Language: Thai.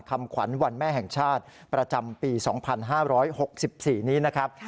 คำขวัญวันแม่แห่งชาติประจำปีสองพันห้าร้อยหกสิบสี่นี้นะครับ